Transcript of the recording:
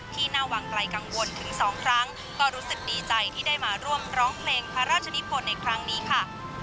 ที่หน้าวังไกลกังวลถึง๒ครั้งก็รู้สึกดีใจที่ได้มาร่วมร้องเพลงพระราชนิพลในครั้งนี้ค่ะ